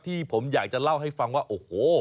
ที่ผมอยากจะเล่าให้ฟังว่าโอ้โห